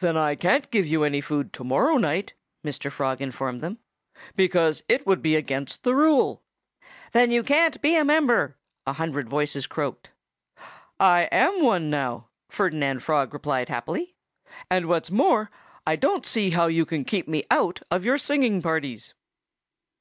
"Then I can't give you any food to morrow night," Mr. Frog informed them, "because it would be against the rule." "Then you can't be a member!" a hundred voices croaked. "I am one now," Ferdinand Frog replied happily. "And what's more, I don't see how you can keep me out of your singing parties."